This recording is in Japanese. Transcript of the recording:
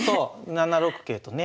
７六桂とね。